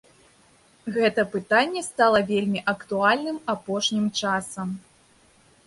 Гэта пытанне стала вельмі актуальным апошнім часам.